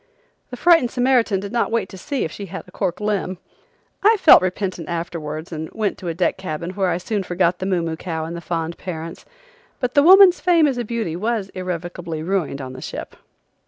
The frightened Samaritan did not wait to see if she had a cork limb! I felt repentant afterwards and went to a deck cabin where I soon forgot the moo moo cow and the fond parents. But the woman's fame as a beauty was irrevocably ruined on the ship.